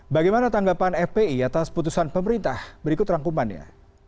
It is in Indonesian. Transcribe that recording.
bagaimana tanggapan fpi atas putusan pemerintah berikut rangkumannya